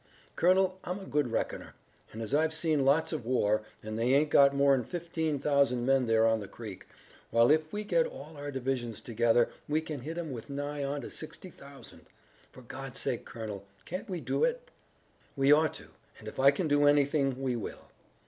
Colonel, I'm a good reckoner, as I've seen lots of war, and they ain't got more `n fifteen thousand men there on the creek, while if we get all our divisions together we can hit `em with nigh on to sixty thousand. For God's sake, Colonel, can't we do it?" "We ought to, and if I can do anything, we will.